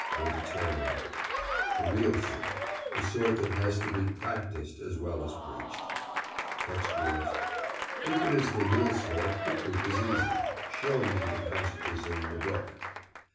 VEGETARIAN: The real sort—the sort that has to be practised as well as preached. TEXTUALIST: If it is the real sort, the proof is easy. Show me the passages in the Book.